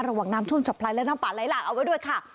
ระหว่างน้ำท่วมฉับพลันและน้ำป่าไหลหลากเอาไว้ด้วยค่ะ